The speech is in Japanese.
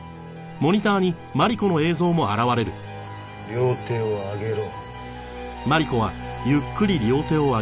両手を上げろ。